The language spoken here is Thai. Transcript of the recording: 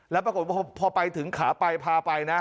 แล้วปรากฏว่าพอไปถึงขาไปพาไปนะ